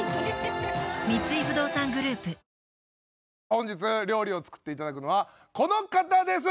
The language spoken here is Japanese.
本日料理を作っていただくのはこの方です。